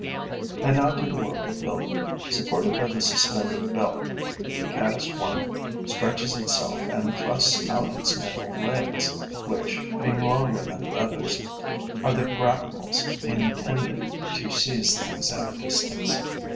And now to the work of building. Supported by the suspended belt, the caddis worm stretches itself and thrusts out its middle legs, which, being longer than the others, are the grapnels intended to seize things at a distance.